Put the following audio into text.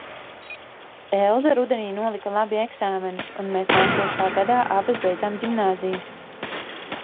Elza rudenī nolika labi eksāmenus un mēs nākošā gadā abas beidzām ģimnāziju.